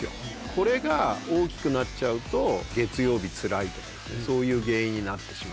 これが大きくなっちゃうと月曜日つらいとかそういう原因になってしまう。